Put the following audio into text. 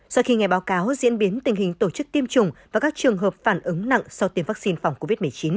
sau khi nghe báo cáo diễn biến tình hình tổ chức tiêm chủng và các trường hợp phản ứng nặng sau tiêm vaccine phòng covid một mươi chín